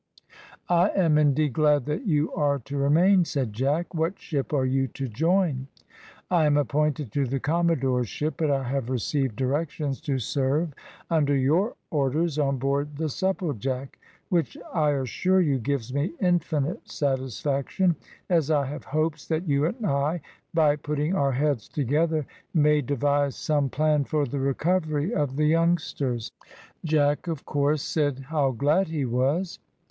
"I am indeed glad that you are to remain," said Jack. "What ship are you to join?" "I am appointed to the commodore's ship, but I have received directions to serve under your orders on board the Supplejack, which I assure you gives me infinite satisfaction, as I have hopes that you and I, by putting our heads together, may devise some plan for the recovery of the youngsters." Jack of course said how glad he was.